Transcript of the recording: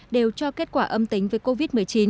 đều cho kết quả âm tính với covid một mươi chín